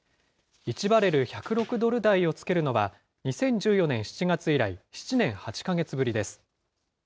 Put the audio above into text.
１バレル１０６ドル台を付けるのは、２０１４年７月以来７年８か月ぶりです。